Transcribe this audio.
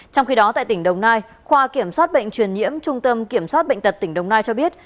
trong khi đó tại tỉnh đồng nai khoa kiểm soát bệnh truyền nhiễm trung tâm kiểm soát bệnh tật tỉnh đồng nai cho biết